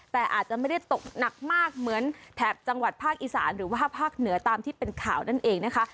แต่อาจจะไม่ได้ตกหนักมากเหมือนแถบจังหวัดภาคอีสานหรือว่าภาคเหนือตามที่เป็นข่าวนั่นเองนะคะ